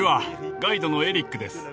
ガイドのエリックです。